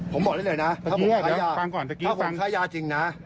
ผมบอกได้เลยนะถ้าผมขายยาถ้าฟังค่ายาจริงนะ